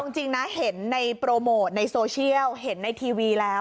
จริงนะเห็นในโปรโมทในโซเชียลเห็นในทีวีแล้ว